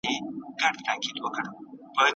¬ له خوارۍ ژرنده ساتي، د خياله مزد نه اخلي.